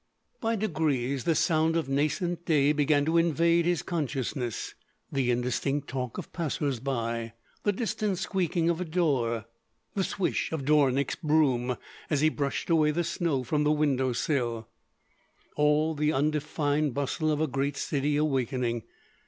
By degrees the sounds of nascent day began to invade his consciousness: the indistinct talk of passers by, the distant squeaking of a door, the swish of the dvornik"s broom as he brushed away the snow from the window sill—all the undefined bustle of a great city awakening.